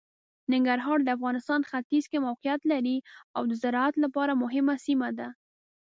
ننګرهار د افغانستان ختیځ کې موقعیت لري او د زراعت لپاره مهمه سیمه ده.